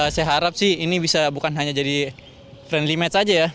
saya harap sih ini bisa bukan hanya jadi friendly match saja ya